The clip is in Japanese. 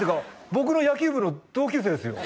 僕の野球部の同級生ですよ